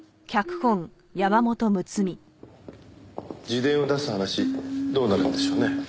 自伝を出す話どうなるんでしょうね。